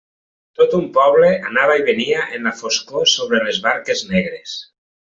Tot un poble anava i venia en la foscor sobre les barques negres.